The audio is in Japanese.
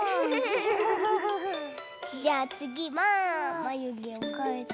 じゃあつぎはまゆげをかえて。